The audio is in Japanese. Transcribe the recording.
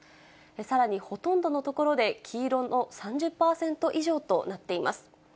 さらにほとんどの所で黄色の３０％以上となっています。